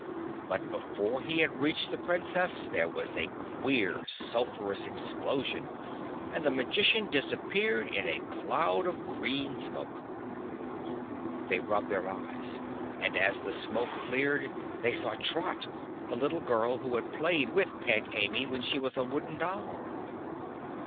But before he had reached the Princess there was a queer sulphurous explosion and the magician disappeared in a cloud of green smoke. They rubbed their eyes and as the smoke cleared they saw Trot, the little girl who had played with Peg Amy when she was a Wooden Doll.